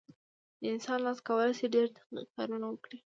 د انسان لاس کولی شي ډېر دقیق کارونه وکړي.